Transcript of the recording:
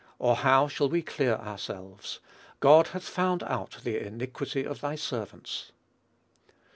or how shall we clear ourselves? God hath found out the iniquity of thy servants."